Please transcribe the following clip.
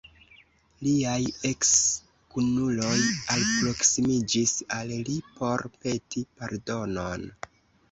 Liaj eks-kunuloj alproksimiĝis al li por peti pardonon.